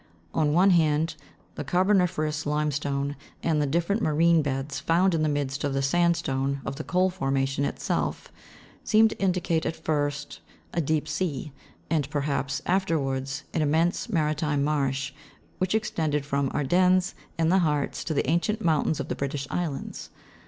On one hand, the carboni'ferous limestone, and the different marine beds found in the midst of the sandstone of the coal formation itself, seem to indicate at first a deep sea, and perhaps afterwards an immense maritime marsh, which extended from Ardennes and the Hartz to the ancient mountains of the British islands.